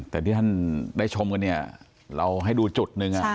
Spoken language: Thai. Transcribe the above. แต่ที่ท่านได้ชมกันเนี่ยเราให้ดูจุดหนึ่ง